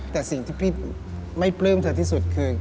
แต่สิ่งที่พี่ไม่ปลื้มเธอที่สุดคือ